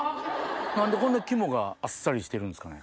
何でこんなに肝があっさりしてるんですかね？